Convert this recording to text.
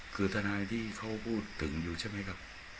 คือทนายที่เขาพูดถึงอยู่ใช่ไหมครับ